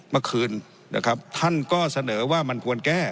เมื่อคืนนะครับท่านก็เสนอว่ามันควรแก้